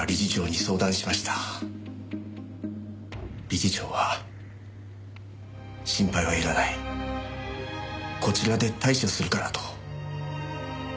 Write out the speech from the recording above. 理事長は心配は要らないこちらで対処するからと。